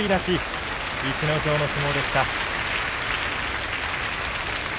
逸ノ城の相撲でした。